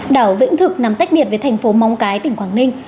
đảo vĩnh thực nằm tách biệt với thành phố móng cái tỉnh quảng ninh